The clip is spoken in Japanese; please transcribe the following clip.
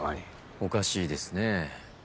おかしいですねえ。